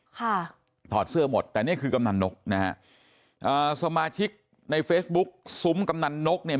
ถอดเสื้อหมดแต่นี่คือกำนันนกนะฮะอ่าสมาชิกในเฟซบุ๊กซุ้มกำนันนกเนี่ย